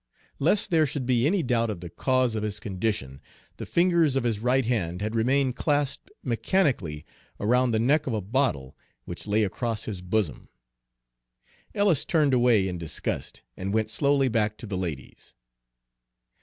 Lest there should be any doubt of the cause of his condition, the fingers of his right hand had remained clasped mechanically around the neck of a bottle which lay across his bosom. Ellis turned away in disgust, and went slowly back to the ladies.